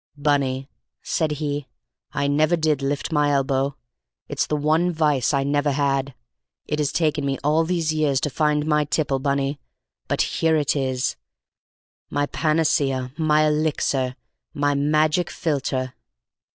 "Bunny," said he, "I never did lift my elbow; it's the one vice I never had. It has taken me all these years to find my tipple, Bunny; but here it is, my panacea, my elixir, my magic philtre!"